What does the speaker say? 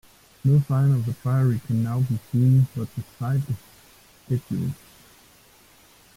No sign of the priory can now be seen, but the site is scheduled.